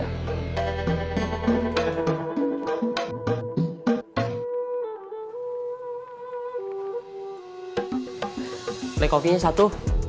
beli kopinya satu